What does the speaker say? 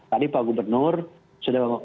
tadi pak gubernur sudah